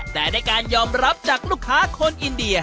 แต่ได้การยอมรับจากลูกค้าคนอินเดีย